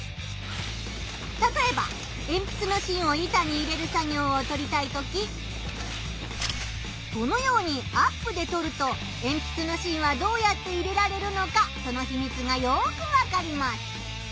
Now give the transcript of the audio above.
たとえばえんぴつの芯を板に入れる作業を撮りたいときこのようにアップで撮るとえんぴつの芯はどうやって入れられるのかそのひみつがよくわかります。